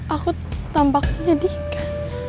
aku tampak menyedihkan